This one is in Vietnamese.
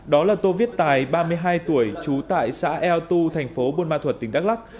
đó là tô viết tài ba mươi hai tuổi chú tại xã eo tu thành phố bôn ma thuật tỉnh đắk lắc